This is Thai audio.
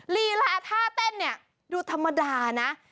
ลีลาท่าเต้นเนี่ยดูธรรมดานะ